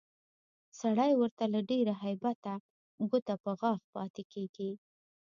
سړی ورته له ډېره هیبته ګوته په غاښ پاتې کېږي